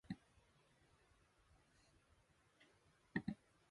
如果你唔想嘅話，千祈唔好勉強。